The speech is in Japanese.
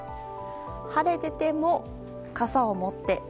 晴れてても、傘を持って。